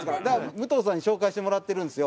武藤さんに紹介してもらってるんですよ。